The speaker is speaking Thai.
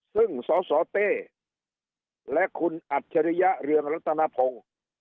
ซึ่งสสเต้และคุณอัจฉริยะเรืองรัตนพงศ์